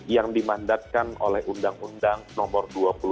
yang dimandatkan oleh undang undang nomor dua puluh dua